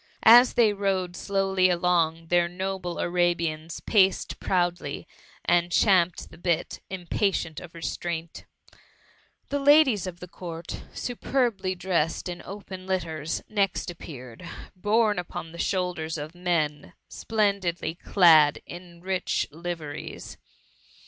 As they rode slowly along, their noble Arabians paced proudly, and champed the bit, impatient of restraint The ladies of the Court, superbly dressed in open litters, next appeared, borne upon the dioulders of men splendidly clad in rich live ries.